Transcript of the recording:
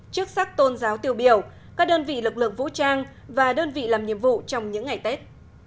chức sắc tôn giáo tiêu biểu các đơn vị lực lượng vũ trang và đơn vị làm nhiệm vụ trong những ngày tết